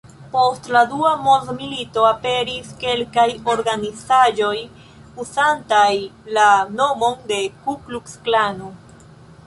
Post la dua mondmilito aperis kelkaj organizaĵoj uzantaj la nomon de "Ku-Kluks-Klano".